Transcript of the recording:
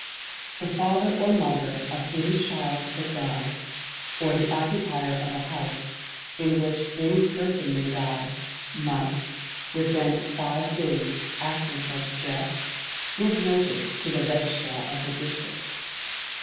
The father or mother of any child that dies, or the occupier of a house in which any person may die, must, within five days after such death, give notice to the registrar of the district.